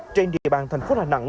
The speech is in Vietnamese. trên địa bàn thành phố hà nẵng